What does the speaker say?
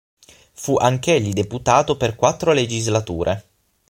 Fu anch'egli deputato per quattro legislature.